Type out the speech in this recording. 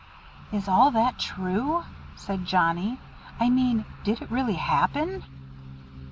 "Is all that true?" said Johnnie. "I mean, did it really happen?"